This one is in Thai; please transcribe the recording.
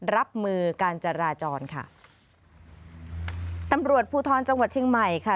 รับมือการจราจรค่ะตำรวจภูทรจังหวัดเชียงใหม่ค่ะ